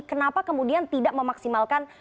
kenapa kemudian tidak memaksimalkan